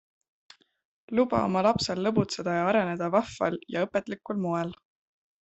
Luba oma lapsel lõbutseda ning areneda vahval ja õpetlikul moel!